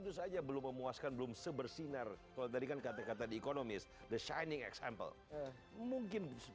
bisa kayak belum memuaskan belum sebersinar kodekan kata kata di ekonomis the shining example mungkin